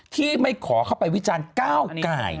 ที่ไม่ขอเข้าไปวิจารณ์ก้าวไก่